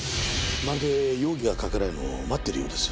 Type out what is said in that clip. まるで容疑がかけられるのを待っているようです。